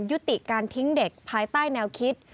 ยุติการทิ้งเด็กภายใต้แนวคิด